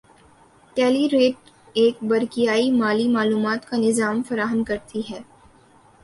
ٹیلیریٹ ایک برقیائی مالی معلومات کا نظام فراہم کرتی ہے